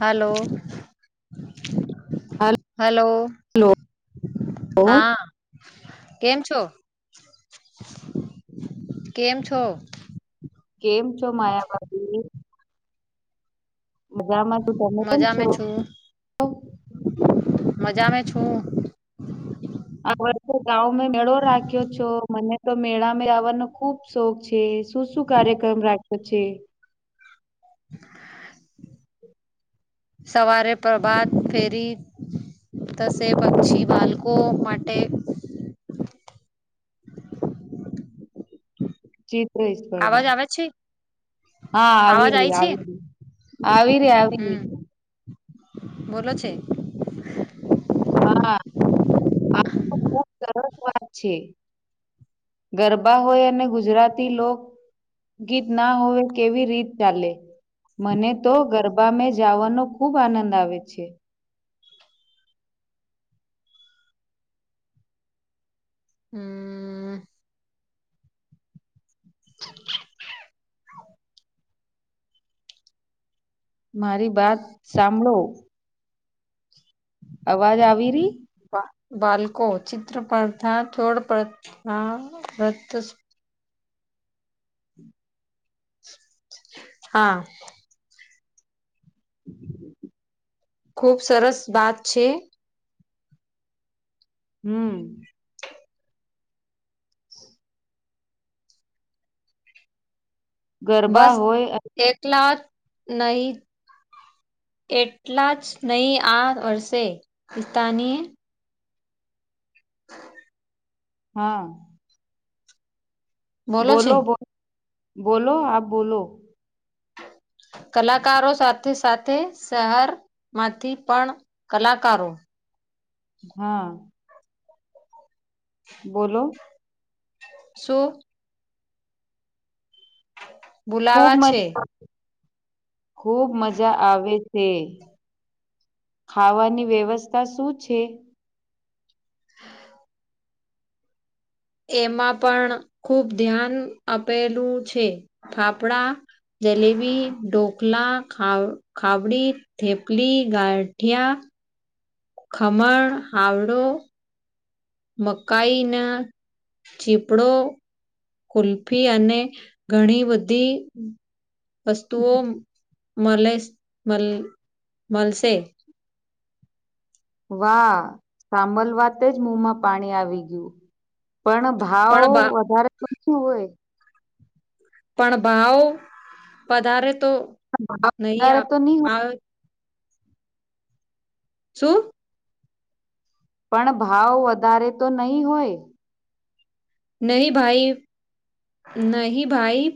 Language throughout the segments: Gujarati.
હાલો! હલો હલો હા કેમ છો,? કેમ છો.? કેમ છો મારા ભાભી? છું તમે કેમ મજા મે છો છું મજા મે છું. આ વર્ષે તો ગાંવ મે મેળો રાખ્યો છો. મને તો મેળા મે આવવાનો ખુબ શોખ છે. શું શું કાર્યક્રમ રાખ્યો છે.? સવારે પ્રભાત બાદ ફેરી, થસે, પછી બાળકો માટે ચી અવાજ આવે છે. હા આવી અવાજ આય રહી છે આવી આવી રહી આવી ર. હમ બોલો છે. હા આ તો ખૂબ સરસ વાત છે. ગરબા હોય અને ગુજરાતી લોક ગીત ના હોવે કેવી રીત ચાલે. મને તો ગરબા મે જવાનો ખુબ આનંદ આવે છે. હમ્મ. [inaudible] મારી બાત સાંભળો. અવાજ આવી રહી. બાળકો ચિત્ર પ્રથા, છોડપથા વત હા. [inaudible] ખુબ સરસ બાત છે. હમ્મ. [inaudible] ગરબા બસ હોય એકલા નહી. એટલા જ નહી આ વર્ષે. [unintelligible] હા. બોલો બો બોલો આપ બોલો. કલાકારો સાથે સાથે શહર માંથી પણ કલાકારો. હા. બોલો. શું? ખૂબ બોલાવા છે મઝા ખૂબ મજા આવે છે. ખાવાની વ્યવસ્થા શું છે. એમાં પણ ખુબ ધ્યાન આપેલું છે ફાફડા જલેબી, ઢોકલા ખા ખાબડી થેપલી, ગાંઠિયા, ખમણ હાવડો મકાઈના ચીપડો કુલ્ફી અને ઘણી બધી વસ્તુઓ મળે મલ મળશે. વાહ સાંભલ વાતે જ મોમાં પાણી આવી ગીયું. પણ ભાવ પણ ભા વધારે પડતું હોય. પણ ભાવ વધારે તો ભાવ નહી વધારે આવે તો નહી હોય આવ શું? પણ ભાવ વધારે તો નહી હોય. નહી ભાઈ નહી ભાઈ.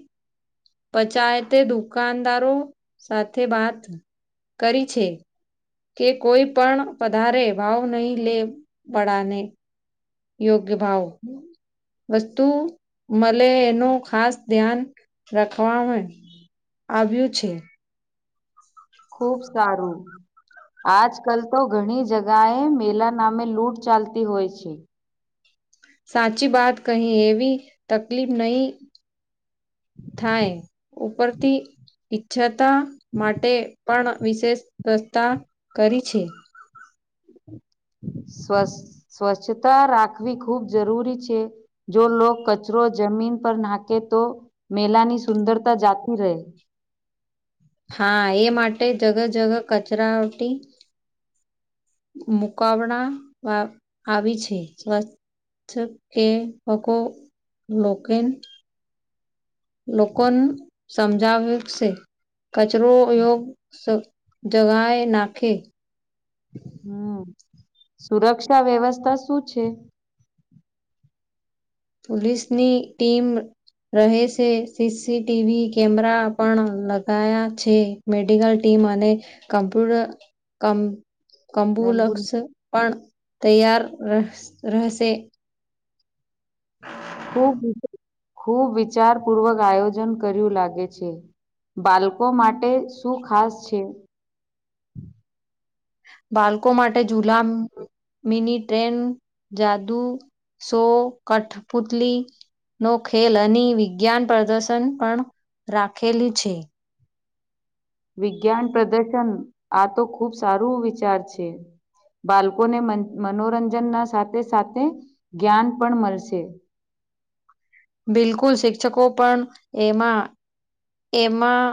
પચાયતે દુકાનદારો સાથે વાત કરી છે. કે કોઈ પણ વધારે ભાવ નહીં લે પળને. યોગ્ય ભાવ. વસ્તુ મલે એનું ખાસ ધ્યાન રાખવાવણે. આવ્યું છે. ખૂબ સારું. આજ કલ તો ઘણી જગાએ મેલા નામે લૂંટ ચાલતી હોય છે. સાચી વાત કહી એવી તકલીફ નહી. થાય ઉપરથી ઈચ્છાતા માટે. પણ વિશેષ વ્યવસ્થા કરી છે. સ્વ સ્વચ્છતા રાખવી ખૂબ જરૂરી છે. જો લોક કચરો જમીન પર નાકે તો મેલાની સુંદરતા જાતી રહે. હા એ માટે જગ જગ કચરા ઓટી મુકાવના વા આવી છે. સ્વ [unintelligible] લોકોન સમજાવ્યું છે. કચરો યોગ્ય જગ્યાએ નાખે. હમ સુરક્ષા વ્યવસ્થા શું છે? પોલીસની ટીમ રહે છે, સીસી ટીવી કેમેરા પણ લગાયા છે. મેડિકલ ટીમ અને કમપ્યુટર કમ કંબુલક્ષ એમ્બ્યુલન્સ પણ તૈયાર રહેશે. હા [unintelligible] ખૂબ ખૂબ વિચાર પૂર્વક આયોજન કર્યું લાગે છે. બાલકો માટે શું ખાસ છે? બાલકો માટે જુલામ મિની ટ્રેન, જાદુ, શો, કઠપુતલી નો ખેલ અને વિજ્ઞાન પ્રદર્શન પણ રાખેલું છે. વિજ્ઞાન પ્રદર્શન આ તો ખુબ સારું વિચાર છે. બાળકોને મનોરંજનના સાથે સાથે જ્ઞાન પણ મળશે. બિલકુલ શિક્ષકો પણ એમાં એમાં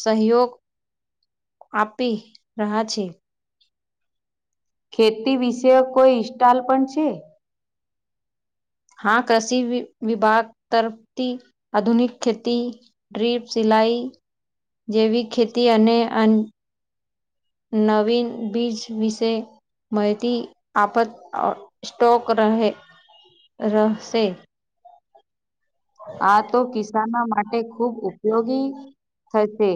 સહયોગ આપી રહ્યા છે. ખેતી વિશેક કોઈ હીસ્ટાલ પણ છે? હા કૃષિ વિભાગ તરફથી આધુનિક ખેતી ડ્રીપ, સિલાઈ જેવી ખેતી અને અન નવીન બીજ વિશે માહિતી આપત સ્ટોક રહે રહેશે. આ તો કિસાનો માટે ખૂબ ઉપયોગી થશે.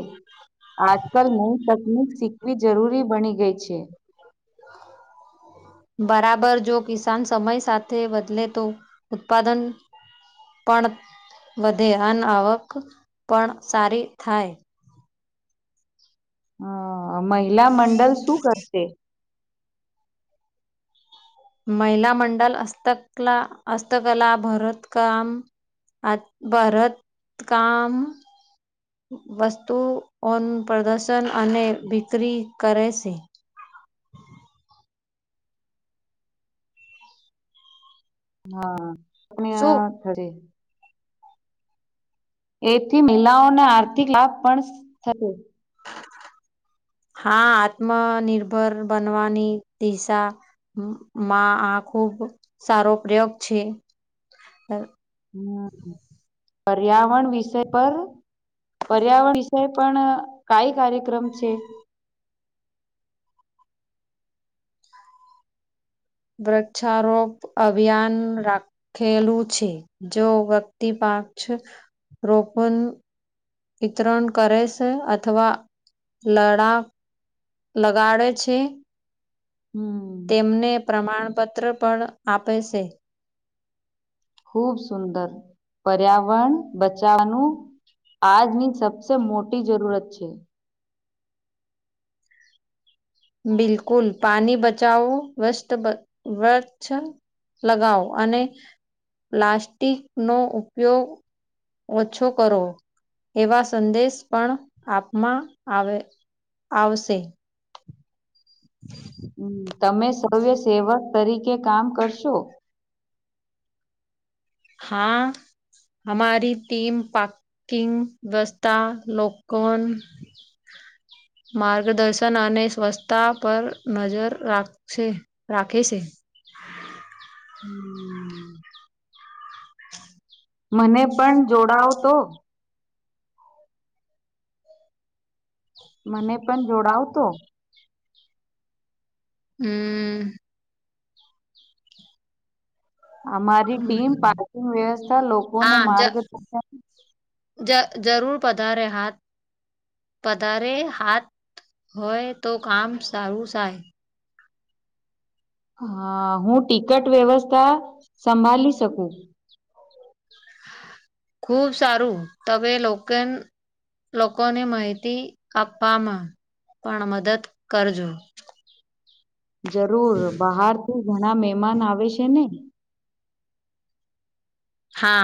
આજકાલ નવી તકનક શીખવી જરૂરી બની ગઈ છે. [unintelligible] બરાબર જો કિસાન સમય સાથે બદલે તો ઉત્પાદન પણ વધે, અન આવક પણ સારી થાય. હહ મહિલા મંડલ શું કરશે? મહિલા મંડલ હસ્તકલા હસ્તકલા, ભરત કામ. આત ભરત કામ વસ્તુઓનું પ્રદર્શન અને વિકરી કરે છે. હા અને શું આ કરે એથી મીલાઓને આર્થિક લાભ પણ થયે. હા આત્મનિર્ભર બનવાની દિશા માં આ ખુબ સારો પ્રયોગ છે. હ પર્યાવરણ વિષય પર પર્યાવરણ વિષય પણ કાઈ કાર્યક્રમ છે? વૃક્ષારોપ અભિયાન રાખ ખેલું છે જો વ્યક્તિ પાક્ષ રોપન વિતરણ કરે છે અથવા લડાક લગાડે છે. હમ તેમને પ્રમાણપત્ર પણ આપે છે. ખુબ સુંદર પર્યાવરણ બચાવાનું આજની સબસે મોટી જરૂરત છે. બિલકુલ પાણી બચાવો વસ્ત બ વરછ લગાવો અને પ્લાસ્ટિક નો ઉપયોગ ઓછો કરો, એવા સંદેશ પણ આપમાં આવે આવશે. હમ્મ તમે સવ્ય સેવક તરીકે કામ કરશો. હા હમારી ટીમ પા કિંગ વસ્તા લોકોન માર્ગદર્શન અને સ્વચ્છતા પર નજર રાખછે રાખે છે. હમ [inaudible] મને પણ જોડાવ તો મને પણ જોડાવતો હમ્મ હમ્મ અમારી ટીમ પાર્કિંગ વ્યવસ્થા લોકોને હા જ માર્ગદર્શન જ જરૂર પધારે હા પધારે હાથ હોય તો કામ સારું સાય હ હું ટિકટ વ્યવસ્થા સંભાલિ શકું. ખુબ સારું તમે લોકન લોકોને માહિતી આપવામાં પણ મદદ કરજો. જરૂર બહાર થી ઘણા મેમાન આવે છે ને હા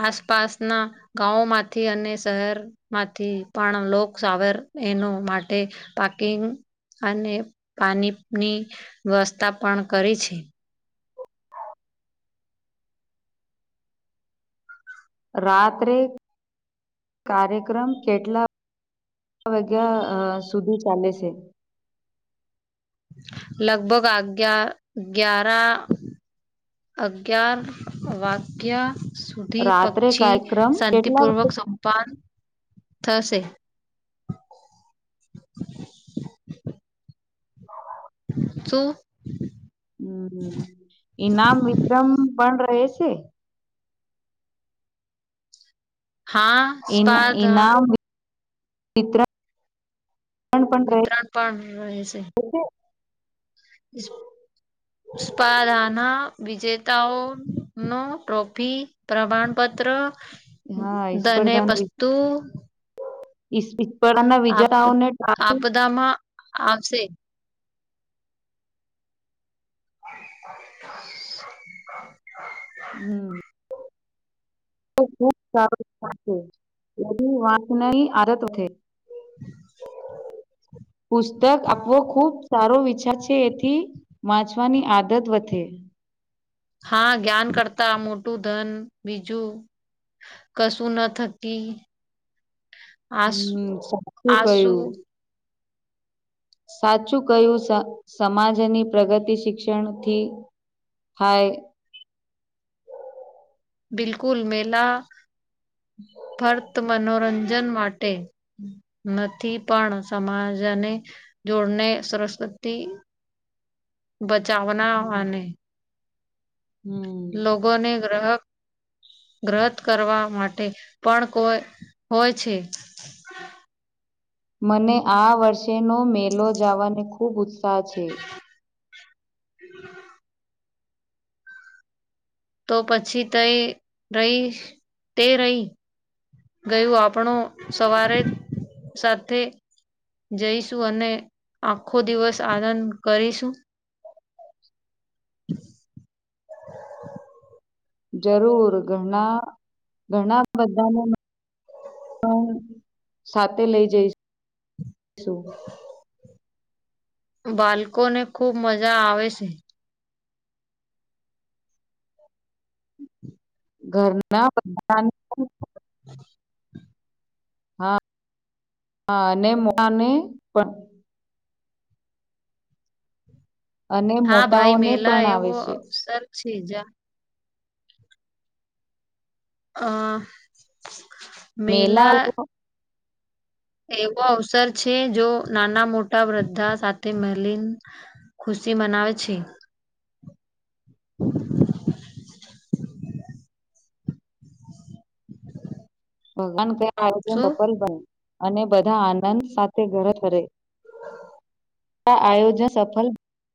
આસપાસના ગાઓ માંથી અને શહેર માંથી પણ લોકસાવર એનું માટે પાર્કિંગ અને પાણીની વ્યવસ્થા પણ કરી છે. રાત્રે કાર્યક્રમ કેટલા વાગ્યા અ સુધી ચાલે છે. લગભગ અગયાર ગ્યારા અગિયાર વાગ્યા સુધી રાત્રે પક્છી કાર્યક્રમ કેટલા શાંતિપૂર્વક સંપાન થશે. શું? હમ્મ ઈનામ વિતરણ પણ રહે છે. હા ઇના સ્પર્ધા ઇનામ વી વીત્રણ વિતરણ પણ રહે છે. [inaudible] [inaudible] સ્પાધાના વિજેતાઓ નો ટ્રોફી પ્રમાણપત્ર હા ધને સ્પર્ધાના પસ્તુ [unintelligible] આપ વિજેતાઓને આપદામાં આવશે. [inaudible] હમ્મ. [unintelligible] આદત ઉઠે પુસ્તક આપવો ખુબ સારો વિચાર છે એથી વાંચવાની આદત વધે. હા જ્ઞાન કરતા મોટું ધન બીજું કશું ન થકી આસું હમ સાચું આસુ કહ્યું સાચું કયું સ સમાજની પ્રગતિ શિક્ષણ થી થાય બિલકુલ મેલા ફરત. મનોરંજન માટે નથી પણ સમાજ અને. જોડને સરસ્વતી. [inaudible] બચાવના અને. હમ્મ. લોકો ને ગ્રહક વ્રત કરવા માટે. પણ કોઈ હોય છે. મને આ વર્ષેનો મેલો જવાની ખુબ ઉત્સાહ છે. [inaudible] તો પછી તઈ રહી તે રહી. ગયું આપણો સવારે જ સાથે. જઈશું અને આખો દિવસ આનંદ કરીશું. જરૂર ઘણા ઘણા બધાને પણ સાથે લઈ જઈશું. બાળકો ને ખુબ મજા આવે છે. ઘરના બધાને. પણ. [inaudible] હા હા અને મોટા ને પણ. અને હા ભાઈ મોટાઓને મેલા પણ આવે એવો છે. અવસર છે જ અ. મેલા એવો અવસર છે જો નાના મોટા બધા સાથે મળીને ખુશી મનાવે છે. [inaudible] ભગવાન કરે આ આયોજન શું સફલ બને અને બધા આનંદ સાથે ઘરે ફરે. [inaudible] આ આયોજન સફલ